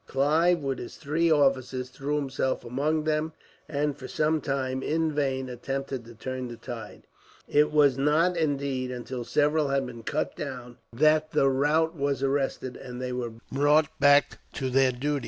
Clive, with his three officers, threw himself among them and, for some time, in vain attempted to turn the tide. It was not, indeed, until several had been cut down that the rout was arrested, and they were brought back to their duty.